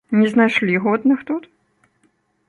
Не знайшлі годных тут?